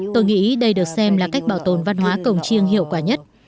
tôi nghĩ đây được xem là cách bảo tồn văn hóa cổng chiêng hiệu quả nhất